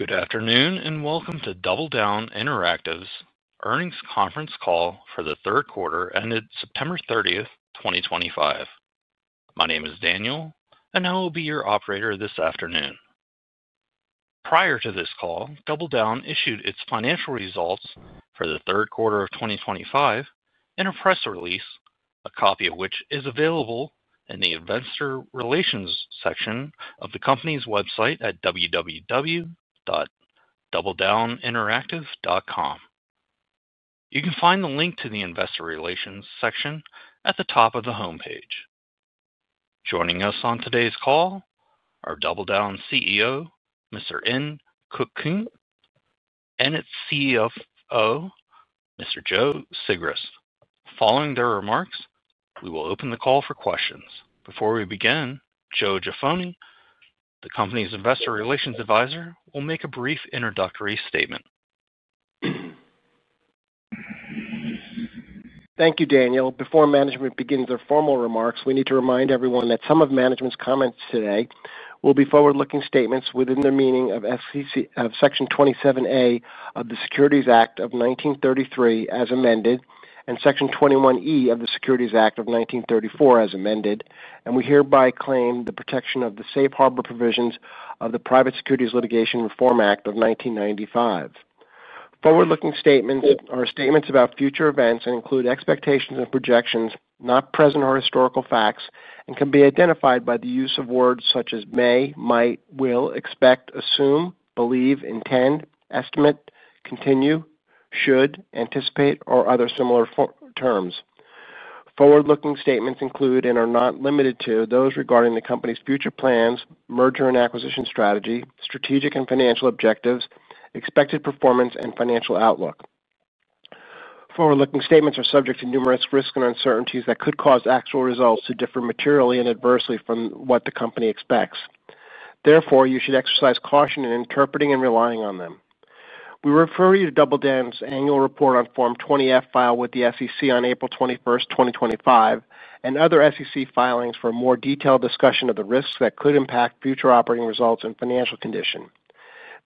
Good afternoon and welcome to DoubleDown Interactive, earnings conference call for the third quarter ended September 30, 2025. My name is Daniel, and I will be your operator this afternoon. Prior to this call, DoubleDown issued its financial results for the third quarter of 2025 in a press release, a copy of which is available in the Investor Relations section of the company's website at www.doubledowninteractive.com. You can find the link to the Investor Relations section at the top of the homepage. Joining us on today's call are DoubleDown CEO, Mr. In Keuk Kim, and its CFO, Mr. Joe Sigrist. Following their remarks, we will open the call for questions. Before we begin, Joe Jaffoni, the company's Investor Relations Advisor, will make a brief introductory statement. Thank you, Daniel. Before management begins their formal remarks, we need to remind everyone that some of management's comments today will be forward-looking statements within the meaning of Section 27A of the Securities Act of 1933 as amended and Section 21E of the Securities Act of 1934 as amended, and we hereby claim the protection of the safe harbor provisions of the Private Securities Litigation Reform Act of 1995. Forward-looking statements are statements about future events and include expectations and projections, not present or historical facts, and can be identified by the use of words such as may, might, will, expect, assume, believe, intend, estimate, continue, should, anticipate, or other similar terms. Forward-looking statements include and are not limited to those regarding the company's future plans, merger and acquisition strategy, strategic and financial objectives, expected performance, and financial outlook. Forward-looking statements are subject to numerous risks and uncertainties that could cause actual results to differ materially and adversely from what the company expects. Therefore, you should exercise caution in interpreting and relying on them. We refer you to DoubleDown's annual report on Form 20-F filed with the SEC on April 21, 2025, and other SEC filings for a more detailed discussion of the risks that could impact future operating results and financial condition.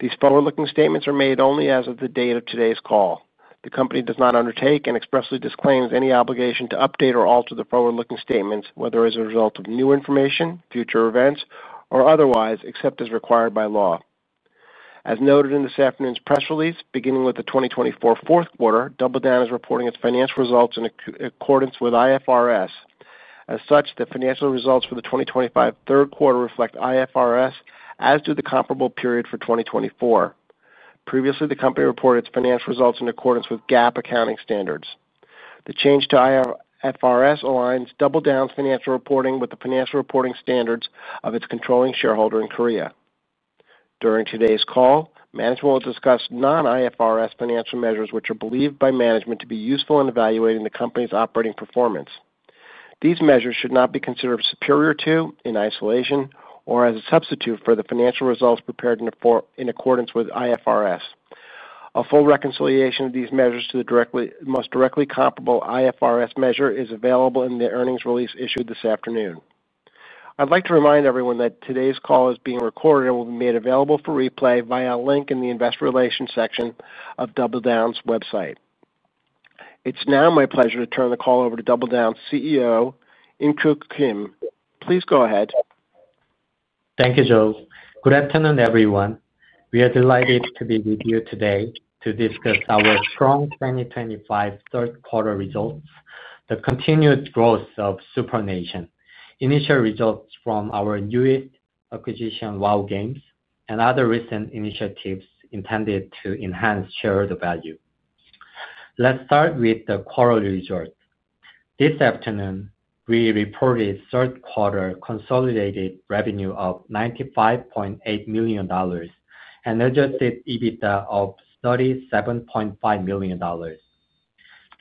These forward-looking statements are made only as of the date of today's call. The company does not undertake and expressly disclaims any obligation to update or alter the forward-looking statements, whether as a result of new information, future events, or otherwise, except as required by law. As noted in this afternoon's press release, beginning with the 2024 fourth quarter, DoubleDown is reporting its financial results in accordance with IFRS. As such, the financial results for the 2025 third quarter reflect IFRS, as do the comparable period for 2024. Previously, the company reported its financial results in accordance with GAAP accounting standards. The change to IFRS aligns DoubleDown's financial reporting with the financial reporting standards of its controlling shareholder in Korea. During today's call, management will discuss non-IFRS financial measures which are believed by management to be useful in evaluating the company's operating performance. These measures should not be considered superior to, in isolation, or as a substitute for the financial results prepared in accordance with IFRS. A full reconciliation of these measures to the most directly comparable IFRS measure is available in the earnings release issued this afternoon. I'd like to remind everyone that today's call is being recorded and will be made available for replay via a link in the Investor Relations section of DoubleDown's website. It's now my pleasure to turn the call over to DoubleDown's CEO, In Keuk Kim. Please go ahead. Thank you, Joe. Good afternoon, everyone. We are delighted to be with you today to discuss our strong 2025 third quarter results, the continued growth of SuprNation, initial results from our newest acquisition, WHOW Games, and other recent initiatives intended to enhance shareholder value. Let's start with the quarterly results. This afternoon, we reported third quarter consolidated revenue of $95.8 million and adjusted EBITDA of $37.5 million.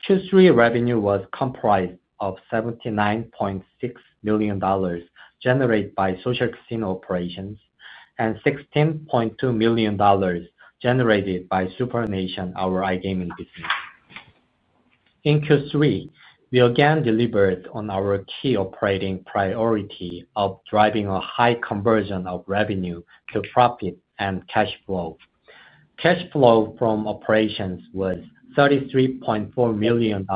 Q3 revenue was comprised of $79.6 million generated by social casino operations and $16.2 million generated by SuprNation, our iGaming business. In Q3, we again delivered on our key operating priority of driving a high conversion of revenue to profit and cash flow. Cash flow from operations was $33.4 million,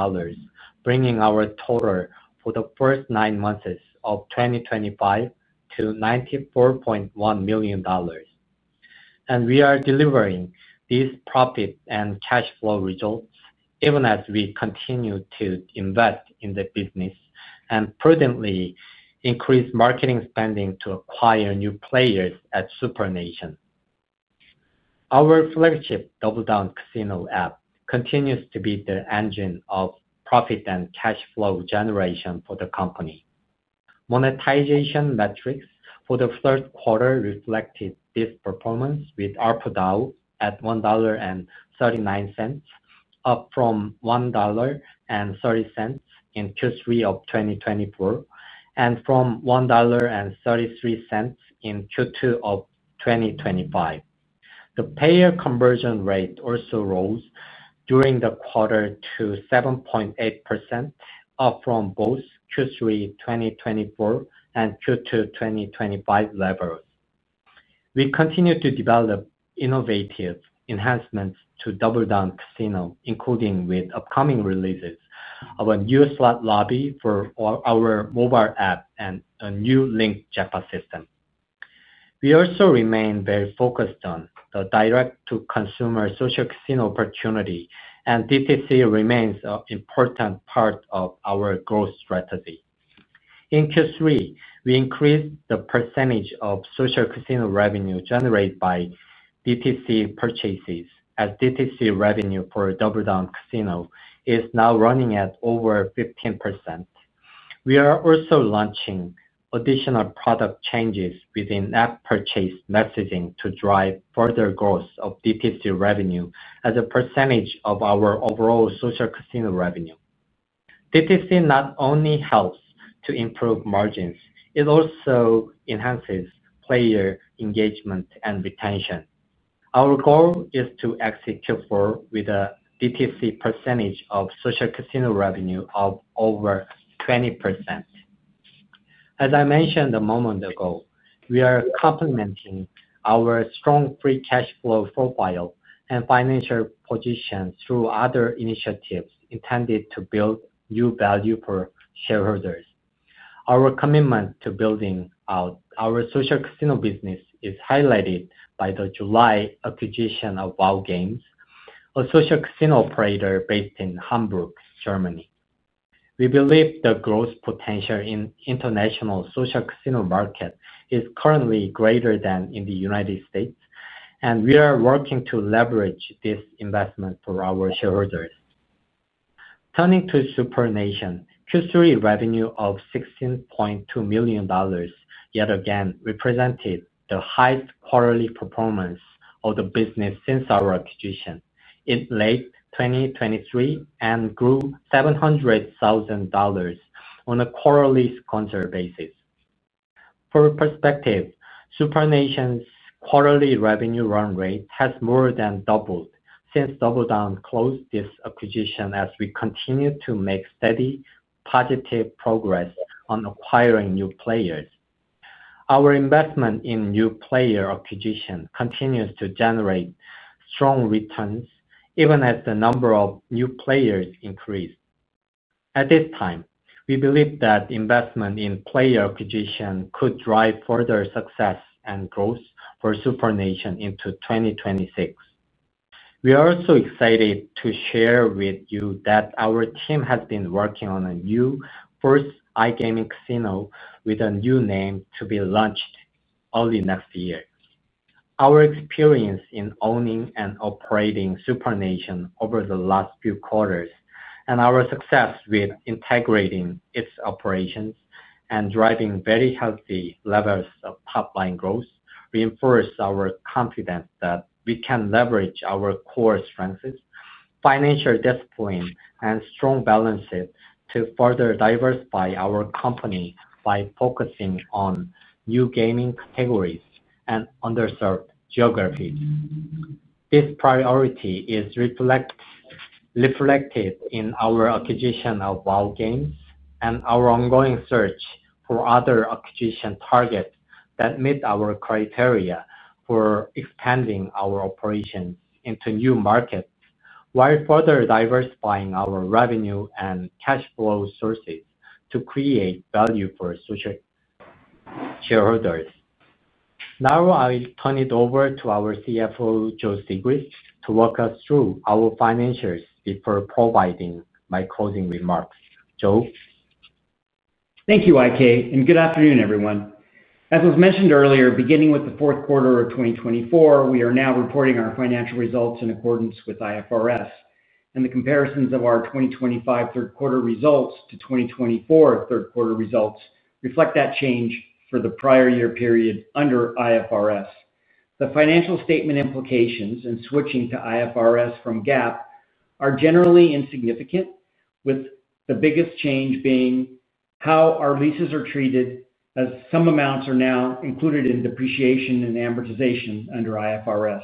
bringing our total for the first nine months of 2025 to $94.1 million. We are delivering these profit and cash flow results even as we continue to invest in the business and prudently increase marketing spending to acquire new players at SuprNation. Our flagship DoubleDown Casino app continues to be the engine of profit and cash flow generation for the company. Monetization metrics for the third quarter reflected this performance with ARPDAU at $1.39, up from $1.30 in Q3 2024 and from $1.33 in Q2 2025. The payer conversion rate also rose during the quarter to 7.8%, up from both Q3 2024 and Q2 2025 levels. We continue to develop innovative enhancements to DoubleDown Casino, including with upcoming releases of a new slot lobby for our mobile app and a new link JEPA system. We also remain very focused on the direct-to-consumer social casino opportunity, and DTC remains an important part of our growth strategy. In Q3, we increased the percentage of social casino revenue generated by DTC purchases, as DTC revenue for DoubleDown Casino is now running at over 15%. We are also launching additional product changes within app purchase messaging to drive further growth of DTC revenue as a percentage of our overall social casino revenue. DTC not only helps to improve margins, it also enhances player engagement and retention. Our goal is to execute for with a DTC percentage of social casino revenue of over 20%. As I mentioned a moment ago, we are complementing our strong free cash flow profile and financial position through other initiatives intended to build new value for shareholders. Our commitment to building out our social casino business is highlighted by the July acquisition of WHOW Games, a social casino operator based in Hamburg, Germany. We believe the growth potential in the international social casino market is currently greater than in the U.S., and we are working to leverage this investment for our shareholders. Turning to SuprNation, Q3 revenue of $16.2 million yet again represented the highest quarterly performance of the business since our acquisition in late 2023 and grew $700,000 on a quarterly constant basis. For perspective, SuprNation's quarterly revenue run rate has more than doubled since DoubleDown closed this acquisition as we continue to make steady positive progress on acquiring new players. Our investment in new player acquisition continues to generate strong returns even as the number of new players increases. At this time, we believe that investment in player acquisition could drive further success and growth for SuprNation into 2026. We are also excited to share with you that our team has been working on a new first iGaming casino with a new name to be launched early next year. Our experience in owning and operating SuprNation over the last few quarters and our success with integrating its operations and driving very healthy levels of top-line growth reinforce our confidence that we can leverage our core strengths, financial discipline, and strong balances to further diversify our company by focusing on new gaming categories and underserved geographies. This priority is reflected in our acquisition of WHOW Games and our ongoing search for other acquisition targets that meet our criteria for expanding our operations into new markets while further diversifying our revenue and cash flow sources to create value for social shareholders. Now I'll turn it over to our CFO, Joe Sigrist, to walk us through our financials before providing my closing remarks. Joe? Thank you, IK, and good afternoon, everyone. As was mentioned earlier, beginning with the fourth quarter of 2024, we are now reporting our financial results in accordance with IFRS, and the comparisons of our 2025 third quarter results to 2024 third quarter results reflect that change for the prior year period under IFRS. The financial statement implications in switching to IFRS from GAAP are generally insignificant, with the biggest change being how our leases are treated, as some amounts are now included in depreciation and amortization under IFRS.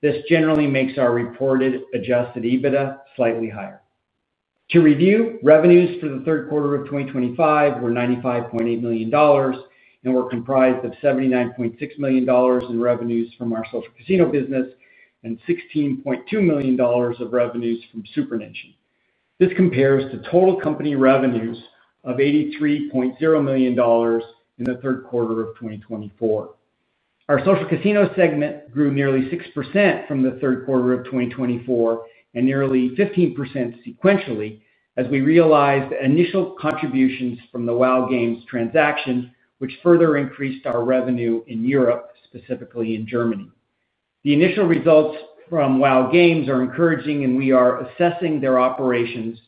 This generally makes our reported adjusted EBITDA slightly higher. To review, revenues for the third quarter of 2025 were $95.8 million, and were comprised of $79.6 million in revenues from our social casino business and $16.2 million of revenues from SuprNation. This compares to total company revenues of $83.0 million in the third quarter of 2024. Our social casino segment grew nearly 6% from the third quarter of 2024 and nearly 15% sequentially as we realized initial contributions from the WHOW Games transaction, which further increased our revenue in Europe, specifically in Germany. The initial results from WHOW Games are encouraging, and we are assessing their operations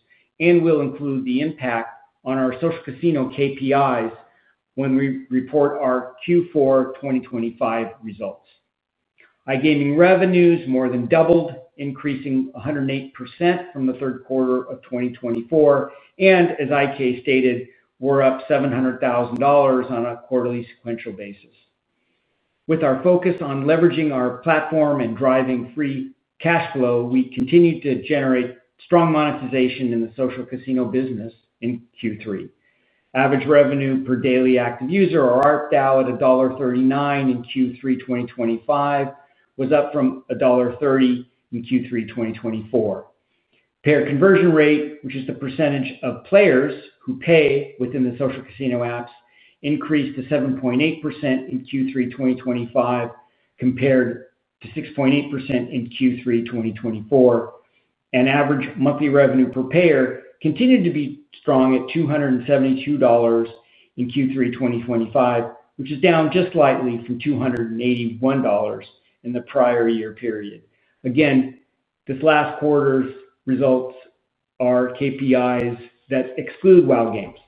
and will include the impact on our social casino KPIs when we report our Q4 2025 results. iGaming revenues more than doubled, increasing 108% from the third quarter of 2024, and as YK stated, we're up $700,000 on a quarterly sequential basis. With our focus on leveraging our platform and driving free cash flow, we continue to generate strong monetization in the social casino business in Q3. Average revenue per daily active user, or ARPDAU, at $1.39 in Q3 2025 was up from $1.30 in Q3 2024. Payer conversion rate, which is the percentage of players who pay within the social casino apps, increased to 7.8% in Q3 2025 compared to 6.8% in Q3 2024, and average monthly revenue per payer continued to be strong at $272 in Q3 2025, which is down just slightly from $281 in the prior year period. Again, this last quarter's results are KPIs that exclude WHOW Games.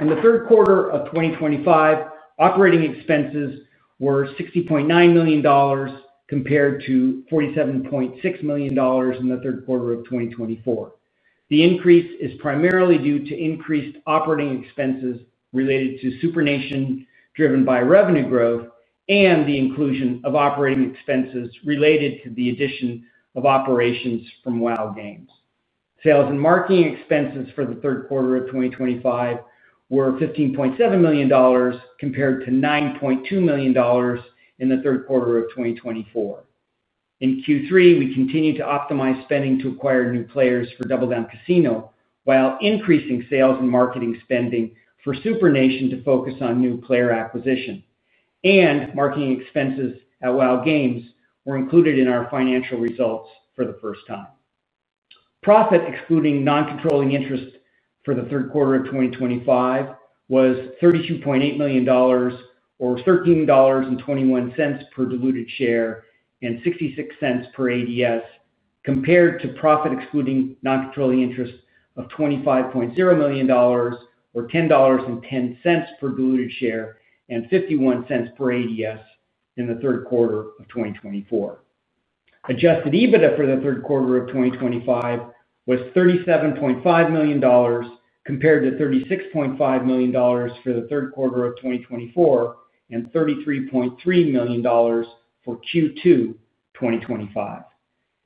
In the third quarter of 2025, operating expenses were $60.9 million compared to $47.6 million in the third quarter of 2024. The increase is primarily due to increased operating expenses related to SuprNation driven by revenue growth and the inclusion of operating expenses related to the addition of operations from WHOW Games. Sales and marketing expenses for the third quarter of 2025 were $15.7 million compared to $9.2 million in the third quarter of 2024. In Q3, we continued to optimize spending to acquire new players for DoubleDown Casino while increasing sales and marketing spending for SuprNation to focus on new player acquisition, and marketing expenses at WHOW Games were included in our financial results for the first time. Profit excluding non-controlling interest for the third quarter of 2025 was $32.8 million, or $13.21 per diluted share and $0.66 per ADS, compared to profit excluding non-controlling interest of $25.0 million, or $10.10 per diluted share and $0.51 per ADS in the third quarter of 2024. Adjusted EBITDA for the third quarter of 2025 was $37.5 million compared to $36.5 million for the third quarter of 2024 and $33.3 million for Q2 2025.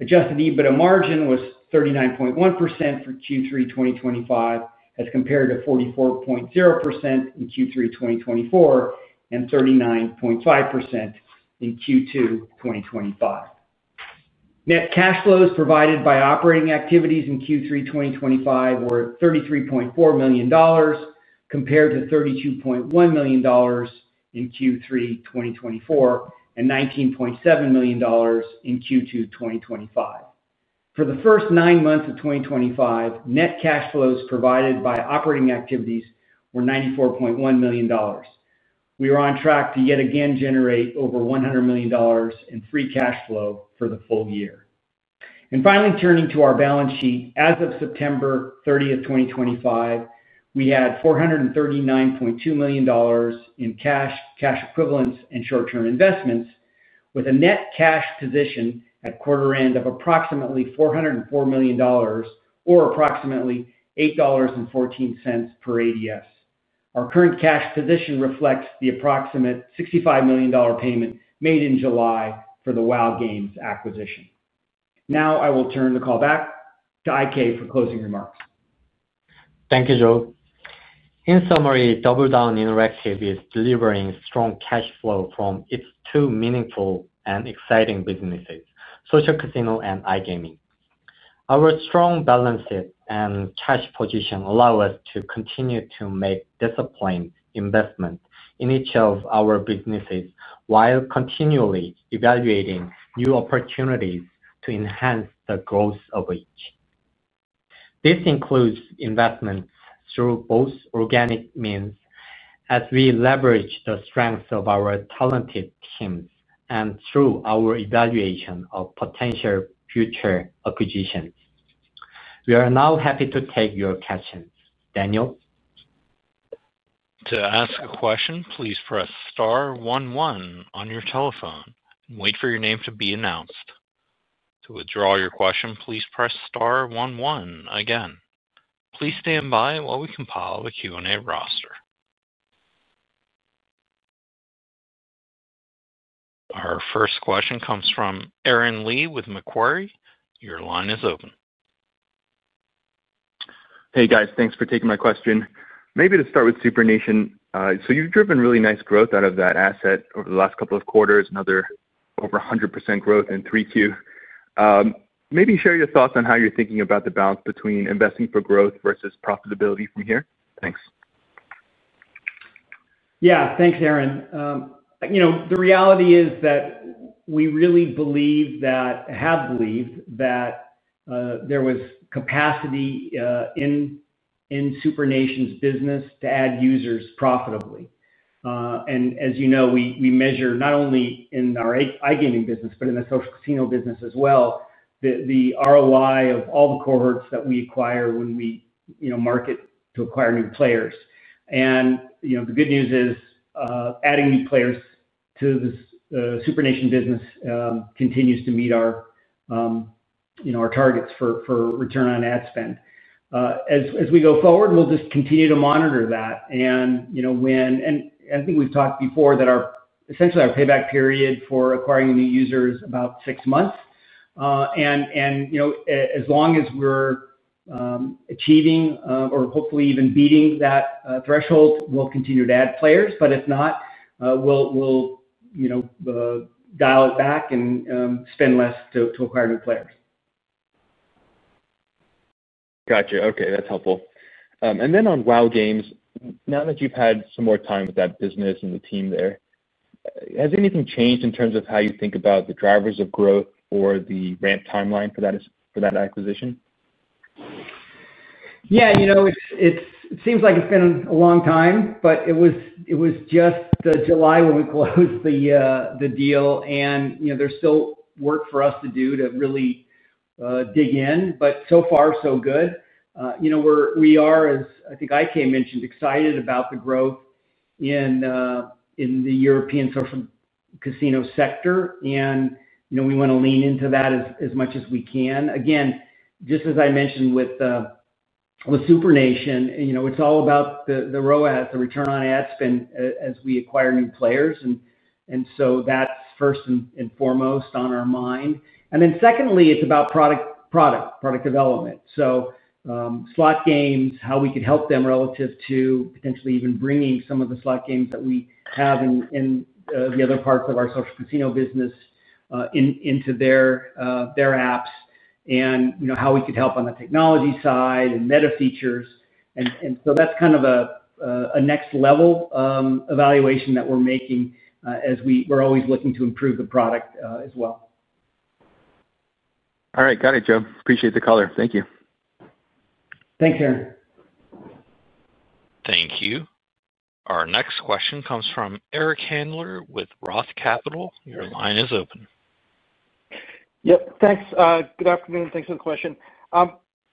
Adjusted EBITDA margin was 39.1% for Q3 2025 as compared to 44.0% in Q3 2024 and 39.5% in Q2 2025. Net cash flows provided by operating activities in Q3 2025 were $33.4 million compared to $32.1 million in Q3 2024 and $19.7 million in Q2 2025. For the first nine months of 2025, net cash flows provided by operating activities were $94.1 million. We are on track to yet again generate over $100 million in free cash flow for the full year. Finally, turning to our balance sheet, as of September 30, 2025, we had $439.2 million in cash, cash equivalents, and short-term investments, with a net cash position at quarter-end of approximately $404 million, or approximately $8.14 per ADS. Our current cash position reflects the approximate $65 million payment made in July for the WHOW Games acquisition. Now I will turn the call back to IK for closing remarks. Thank you, Joe. In summary, DoubleDown Interactive is delivering strong cash flow from its two meaningful and exciting businesses, social casino and iGaming. Our strong balance sheet and cash position allow us to continue to make disciplined investments in each of our businesses while continually evaluating new opportunities to enhance the growth of each. This includes investments through both organic means as we leverage the strengths of our talented teams and through our evaluation of potential future acquisitions. We are now happy to take your questions. Daniel? To ask a question, please press star one one on your telephone and wait for your name to be announced. To withdraw your question, please press star one one again. Please stand by while we compile the Q&A roster. Our first question comes from Aaron Lee with Macquarie. Your line is open. Hey, guys. Thanks for taking my question. Maybe to start with SuprNation, so you've driven really nice growth out of that asset over the last couple of quarters and over 100% growth in Q3. Maybe share your thoughts on how you're thinking about the balance between investing for growth versus profitability from here. Thanks. Yeah, thanks, Aaron. The reality is that we really believe that, have believed that there was capacity in SuprNation's business to add users profitably. And as you know, we measure not only in our iGaming business, but in the social casino business as well, the ROI of all the cohorts that we acquire when we market to acquire new players. The good news is adding new players to the SuprNation business continues to meet our targets for return on ad spend. As we go forward, we'll just continue to monitor that. I think we've talked before that essentially our payback period for acquiring new users is about six months. As long as we're achieving or hopefully even beating that threshold, we'll continue to add players. If not, we'll dial it back and spend less to acquire new players. Gotcha. Okay, that's helpful. On WHOW Games, now that you've had some more time with that business and the team there, has anything changed in terms of how you think about the drivers of growth or the ramp timeline for that acquisition? Yeah, it seems like it's been a long time, but it was just July when we closed the deal, and there's still work for us to do to really dig in. But so far, so good. We are, as I think IK mentioned, excited about the growth in the European social casino sector, and we want to lean into that as much as we can. Again, just as I mentioned with SuprNation, it's all about the ROAS, the return on ad spend, as we acquire new players. That's first and foremost on our mind. Secondly, it's about product development. Slot games, how we could help them relative to potentially even bringing some of the slot games that we have in the other parts of our social casino business into their apps, and how we could help on the technology side and meta features. That's kind of a next-level evaluation that we're making as we're always looking to improve the product as well. All right, got it, Joe. Appreciate the color. Thank you. Thanks, Aaron. Thank you. Our next question comes from Eric Handler with ROTH Capital. Your line is open. Yep, thanks. Good afternoon. Thanks for the question.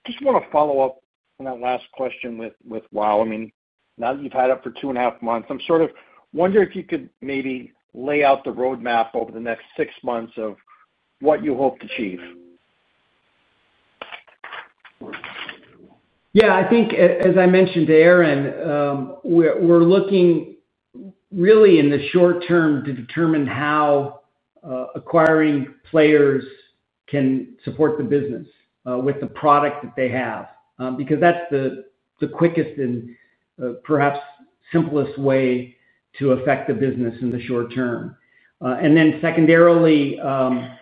Just want to follow up on that last question with WHOW. I mean, now that you've had it for two and a half months, I'm sort of wondering if you could maybe lay out the roadmap over the next six months of what you hope to achieve. Yeah, I think, as I mentioned to Aaron, we're looking really in the short term to determine how acquiring players can support the business with the product that they have, because that's the quickest and perhaps simplest way to affect the business in the short term. Secondarily,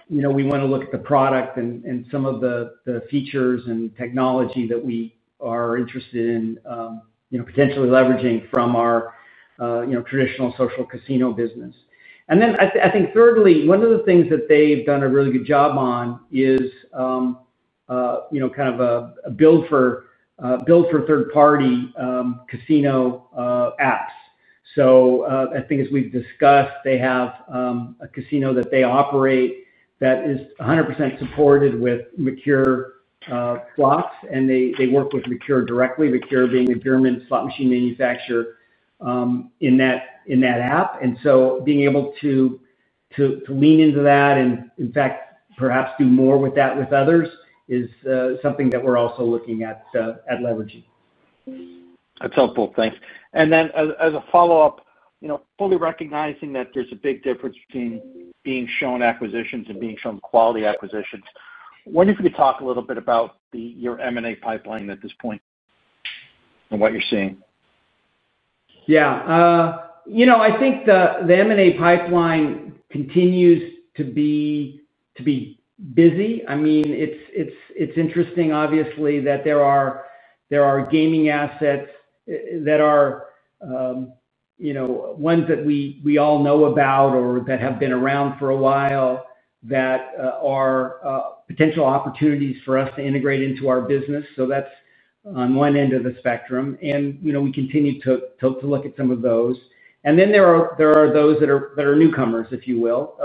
we want to look at the product and some of the features and technology that we are interested in potentially leveraging from our traditional social casino business. I think thirdly, one of the things that they've done a really good job on is kind of a build for third-party casino apps. I think as we've discussed, they have a casino that they operate that is 100% supported with Merkur Slots, and they work with Merkur directly, Merkur being the German slot machine manufacturer in that app. Being able to lean into that and, in fact, perhaps do more with that with others is something that we're also looking at leveraging. That's helpful. Thanks. As a follow-up, fully recognizing that there's a big difference between being shown acquisitions and being shown quality acquisitions, I wonder if you could talk a little bit about your M&A pipeline at this point and what you're seeing. Yeah, I think the M&A pipeline continues to be busy. I mean, it's interesting, obviously, that there are gaming assets that are ones that we all know about or that have been around for a while that are potential opportunities for us to integrate into our business. That's on one end of the spectrum. We continue to look at some of those. There are those that are newcomers, if you will.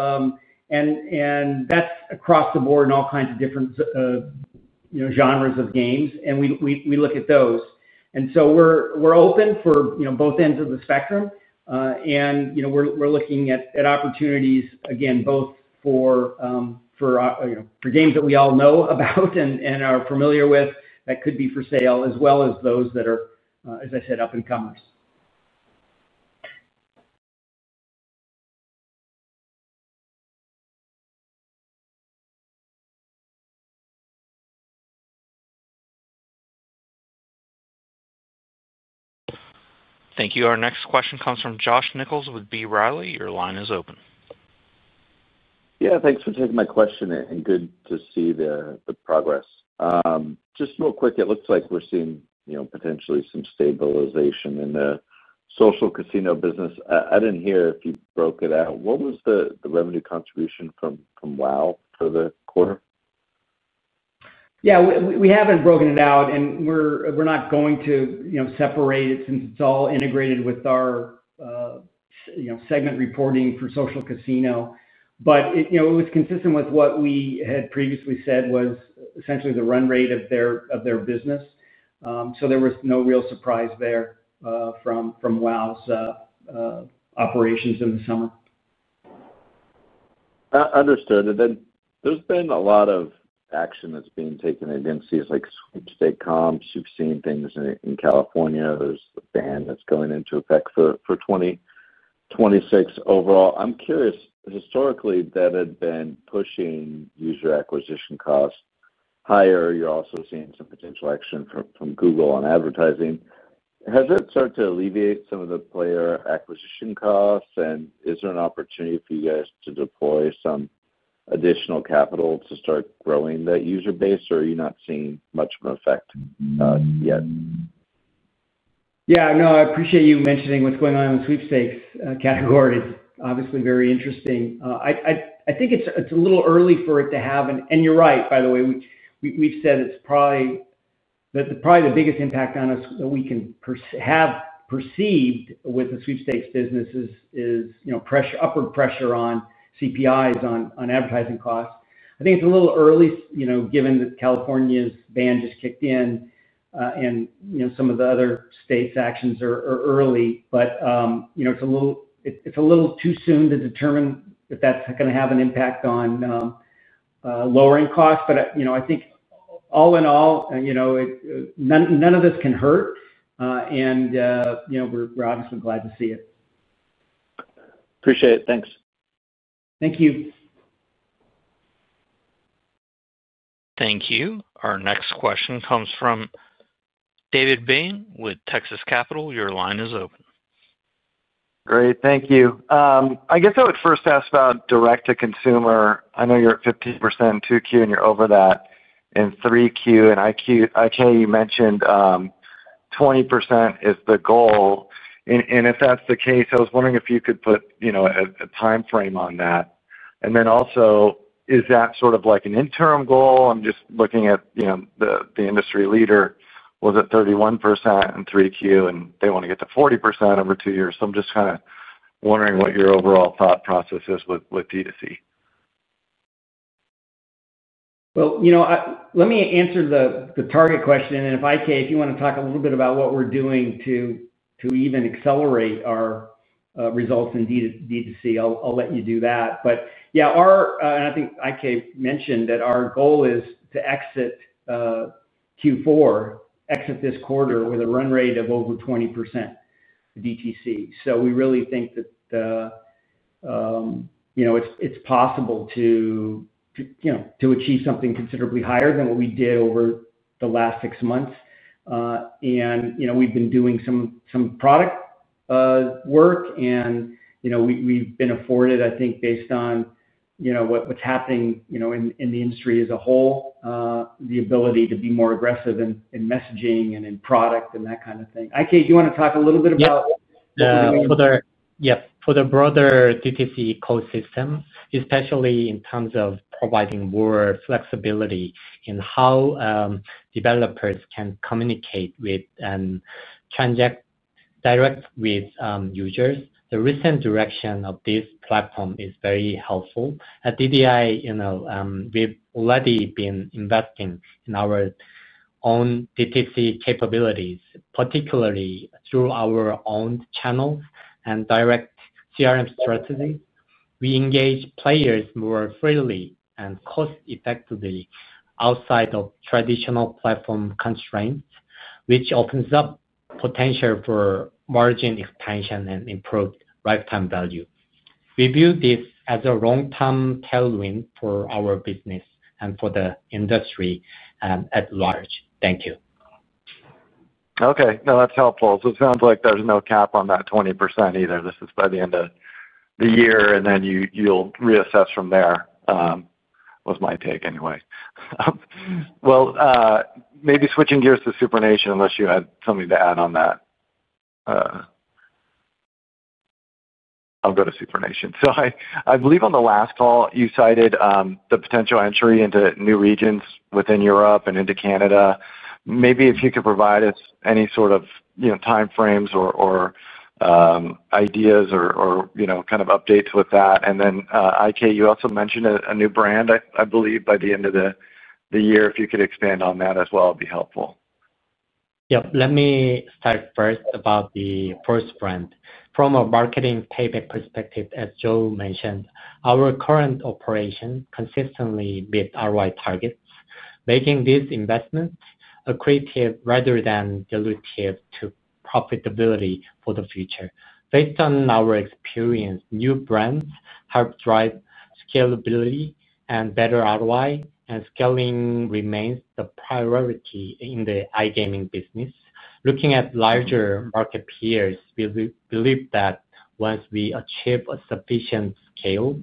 That's across the board in all kinds of different genres of games, and we look at those. We're open for both ends of the spectrum, and we're looking at opportunities, again, both for games that we all know about and are familiar with that could be for sale, as well as those that are, as I said, up-and-comers. Thank you. Our next question comes from Josh Nichols with B. Riley. Your line is open. Yeah, thanks for taking my question, and good to see the progress. Just real quick, it looks like we're seeing potentially some stabilization in the social casino business. I didn't hear if you broke it out. What was the revenue contribution from WHOW for the quarter? Yeah, we haven't broken it out, and we're not going to separate it since it's all integrated with our segment reporting for social casino. It was consistent with what we had previously said was essentially the run rate of their business. There was no real surprise there from WHOW's operations in the summer. Understood. There has been a lot of action that's being taken against these switched state comps. You've seen things in California. There is a ban that's going into effect for 2026 overall. I'm curious, historically, that had been pushing user acquisition costs higher. You're also seeing some potential action from Google on advertising. Has that started to alleviate some of the player acquisition costs? Is there an opportunity for you guys to deploy some additional capital to start growing that user base? Or are you not seeing much of an effect yet? Yeah, no, I appreciate you mentioning what's going on in the sweepstakes category. It's obviously very interesting. I think it's a little early for it to happen. You're right, by the way. We've said it's probably the biggest impact on us that we can have perceived with the sweepstakes business is upward pressure on CPIs, on advertising costs. I think it's a little early given that California's ban just kicked in, and some of the other states' actions are early. It's a little too soon to determine if that's going to have an impact on lowering costs. I think all in all, none of this can hurt, and we're obviously glad to see it. Appreciate it. Thanks. Thank you. Thank you. Our next question comes from David Bain with Texas Capital. Your line is open. Great. Thank you. I guess I would first ask about direct-to-consumer. I know you're at 50% in 2Q, and you're over that in 3Q. And IK, you mentioned 20% is the goal. If that's the case, I was wondering if you could put a timeframe on that. Also, is that sort of like an interim goal? I'm just looking at the industry leader. Was it 31% in 3Q, and they want to get to 40% over two years? I'm just kind of wondering what your overall thought process is with D2C. Let me answer the target question. If IK, if you want to talk a little bit about what we are doing to even accelerate our results in D2C, I will let you do that. I think IK mentioned that our goal is to exit Q4, exit this quarter with a run rate of over 20% DTC. We really think that it is possible to achieve something considerably higher than what we did over the last six months. We have been doing some product work, and we have been afforded, I think, based on what is happening in the industry as a whole, the ability to be more aggressive in messaging and in product and that kind of thing. IK, do you want to talk a little bit about? Yeah, for the broader DTC code system, especially in terms of providing more flexibility in how developers can communicate with and direct with users, the recent direction of this platform is very helpful. At DDI, we've already been investing in our own DTC capabilities, particularly through our own channels and direct CRM strategies. We engage players more freely and cost-effectively outside of traditional platform constraints, which opens up potential for margin expansion and improved lifetime value. We view this as a long-term tailwind for our business and for the industry at large. Thank you. Okay. No, that's helpful. It sounds like there's no cap on that 20% either. This is by the end of the year, and then you'll reassess from there, was my take anyway. Maybe switching gears to SuprNation, unless you had something to add on that. I'll go to SuprNation. I believe on the last call, you cited the potential entry into new regions within Europe and into Canada. Maybe if you could provide us any sort of timeframes or ideas or kind of updates with that. IK, you also mentioned a new brand, I believe, by the end of the year. If you could expand on that as well, it'd be helpful. Yep. Let me start first about the first brand. From a marketing payback perspective, as Joe mentioned, our current operation consistently beats ROI targets, making this investment accretive rather than dilutive to profitability for the future. Based on our experience, new brands help drive scalability and better ROI, and scaling remains the priority in the iGaming business. Looking at larger market peers, we believe that once we achieve a sufficient scale,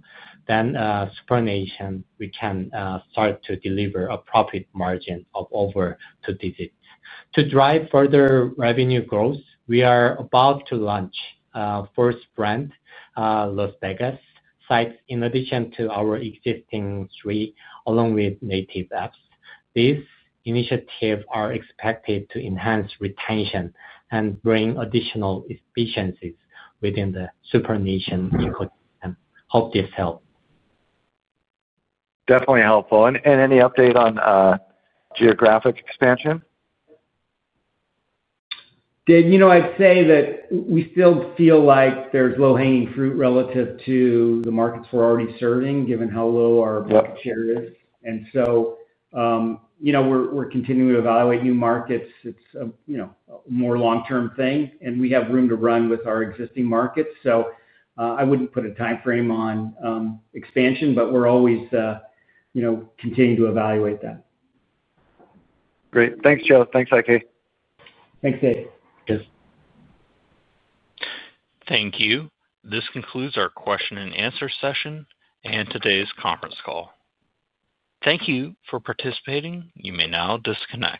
then SuprNation, we can start to deliver a profit margin of over two digits. To drive further revenue growth, we are about to launch a first brand, Las Vegas Sites, in addition to our existing three, along with native apps. This initiative is expected to enhance retention and bring additional efficiencies within the SuprNation ecosystem. Hope this helps. Definitely helpful. Any update on geographic expansion? David, I'd say that we still feel like there's low-hanging fruit relative to the markets we're already serving, given how low our market share is. We are continuing to evaluate new markets. It's a more long-term thing, and we have room to run with our existing markets. I wouldn't put a timeframe on expansion, but we're always continuing to evaluate that. Great. Thanks, Joe. Thanks, IK. Thanks, Dave. Thank you. Thank you. This concludes our question-and-answer session and today's conference call. Thank you for participating. You may now disconnect.